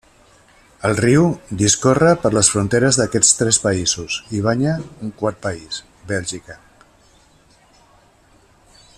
El riu discorre per les fronteres d'aquests tres països i banya un quart país, Bèlgica.